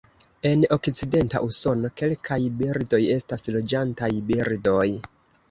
En okcidenta Usono, kelkaj birdoj estas loĝantaj birdoj.